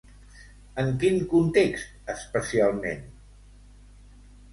En quin context especialment?